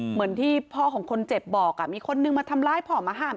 เหมือนที่พ่อของคนเจ็บบอกมีคนนึงมาทำร้ายพ่อมาห้าม